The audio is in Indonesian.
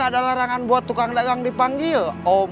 gak ada larangan buat tukang dajang dipanggil om